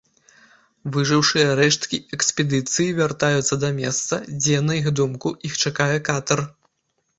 Выжыўшыя рэшткі экспедыцыі вяртаюцца да месца, дзе, на іх думку, іх чакае катэр.